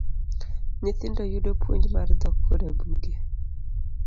Nyithindo yudo puonj mar dhok kod buge.